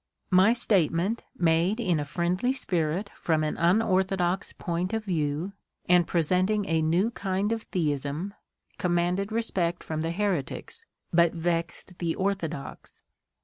My statement, made in a friendly spirit from an unorthodox point of view, and presenting a new kind of theism, commanded respect from the heretics, but vexed the orthodox.